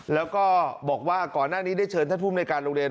แล้วก็บอกว่าก่อนหน้านี้ได้เชิญท่านภูมิในการโรงเรียน